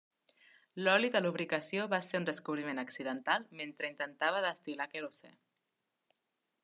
L'oli de lubricació va ser un descobriment accidental mentre intentava destil·lar querosè.